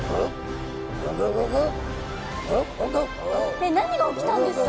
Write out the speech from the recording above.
えっ何が起きたんですか？